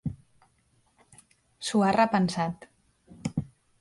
S'ho ha repensat.